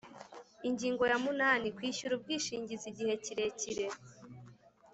Ingingo ya munani Kwishyura ubwishingizi igihe kirekire